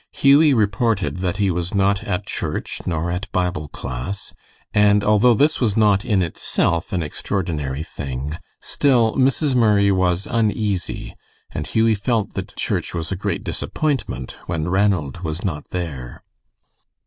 Hughie reported that he was not at church, nor at Bible class, and although this was not in itself an extraordinary thing, still Mrs. Murray was uneasy, and Hughie felt that church was a great disappointment when Ranald was not there.